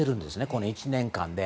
この１年間で。